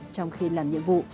trong khi làm nhiệm vụ